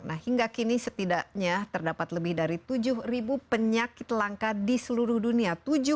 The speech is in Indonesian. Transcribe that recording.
nah hingga kini setidaknya terdapat lebih dari tujuh penyakit langka di seluruh dunia